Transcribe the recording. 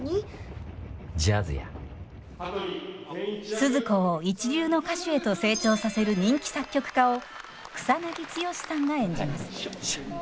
スズ子を一流の歌手へと成長させる人気作曲家を草剛さんが演じます。